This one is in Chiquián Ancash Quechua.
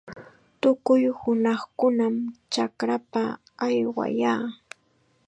Tukuy hunaqkunam chakrapa aywayaa.